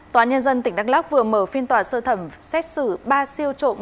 tòa án nhân dân tỉnh đắk lóc vừa mở phiên tòa sơ thẩm xét xử ba siêu trộm